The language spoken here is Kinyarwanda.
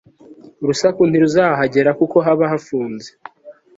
urusaku ntiruzahagera kuko haba hafunze